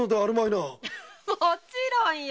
もちろんよ。